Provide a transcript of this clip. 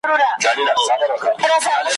بېخبره د توپان له شواخونه `